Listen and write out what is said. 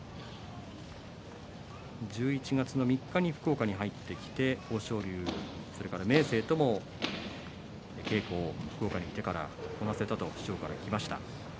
１１月３日に福岡に入ってきて豊昇龍、明生とも稽古を、福岡に来てからこなしたと師匠から聞きました。